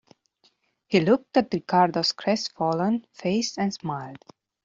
He looked at Ricardo's crestfallen face and smiled.